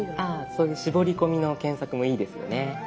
そういう絞り込みの検索もいいですよね。